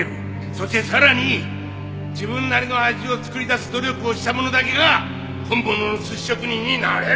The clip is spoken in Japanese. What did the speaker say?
そしてさらに自分なりの味を作り出す努力をした者だけが本物の寿司職人になれる！